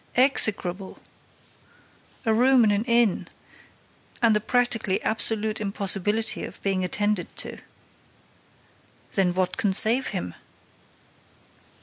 "Execrable!—A room in an inn—and the practically absolute impossibility of being attended to." "Then what can save him?"